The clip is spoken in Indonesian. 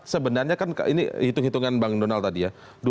sebenarnya kan ini hitung hitungan bang donald tadi ya